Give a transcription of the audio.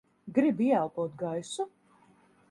Gribi ieelpot gaisu?